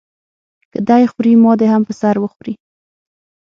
که دی خوري ما دې هم په سر وخوري.